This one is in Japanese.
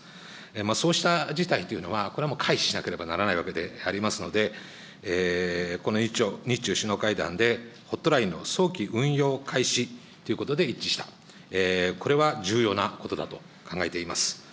そうした事態というのは、これはもう回避しなければならないことでありますので、この日中首脳会談で、ホットラインの早期運用開始ということで一致した、これは重要なことだと考えています。